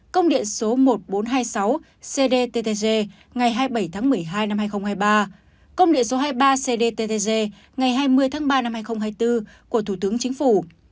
công điện số một nghìn bốn trăm hai mươi sáu cdttg ngày hai mươi bảy tháng một mươi hai năm hai nghìn hai mươi ba công điện số hai mươi ba cdttg ngày hai mươi tháng ba năm hai nghìn hai mươi bốn của thủ tướng chính phủ